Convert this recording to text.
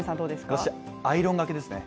私はアイロンがけですね。